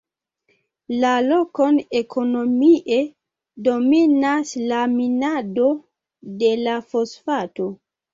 La lokon ekonomie dominas la minado de la fosfato.